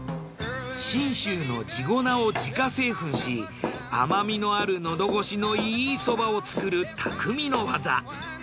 信州の地粉を自家製粉し甘みのある喉越しのいいそばを作る匠の技。